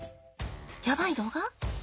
やばい動画？